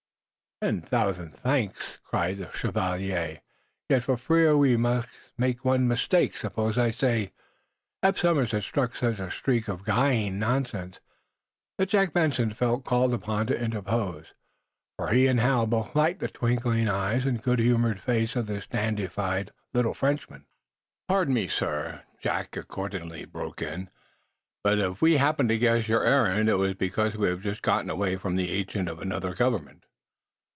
"Ten thousan' thanks!" cried, the chevalier. "Yet, for fear we mek ze one mistek, suppose I say " Eph Somers had struck such a streak of "guying" nonsense that Jack Benson felt called upon to interpose, for he and Hal both liked the twinkling eyes and good humored face of this dandified little Frenchman. "Pardon me, sir," Jack accordingly broke in, "but, if we happened to guess your errand, it was because we have just gotten away from the agent of another government."